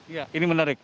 iya ini menarik